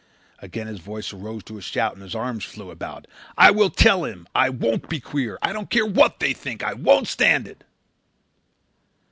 Again his voice arose to a shout and his arms flew about. "I will tell him. I won't be queer. I don't care what they think. I won't stand it."